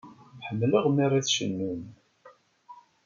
Ḥemmleɣ mi ara tcennum.